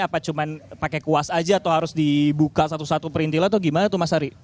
apa cuma pakai kuas aja atau harus dibuka satu satu perintila atau gimana tuh mas ari